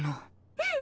うん！